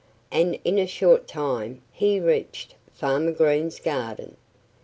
And in a short time he reached Farmer Green's garden.